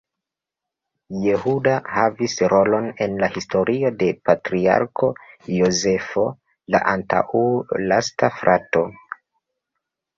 Jehuda havis rolon en la historio de Patriarko Jozefo, la antaŭlasta frato.